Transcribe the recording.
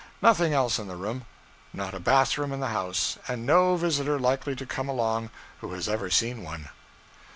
Nothing else in the room. Not a bathroom in the house; and no visitor likely to come along who has ever seen one.